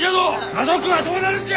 家族はどうなるんじゃ！